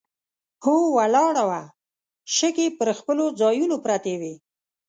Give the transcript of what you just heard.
هوا ولاړه وه، شګې پر خپلو ځایونو پرتې وې.